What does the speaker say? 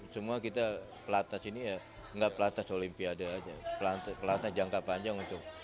semua kita pelatas ini ya nggak pelatas olimpiade aja pelatas jangka panjang